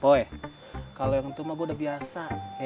woy kalau yang itu mah gue udah biasa